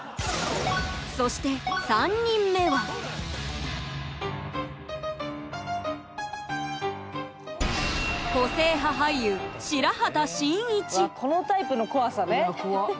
そして３人目はわっこのタイプの怖さね。